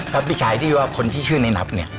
จับออกไปขายที่อยู่ว่าคนที่ชื่อในนับเนี่ย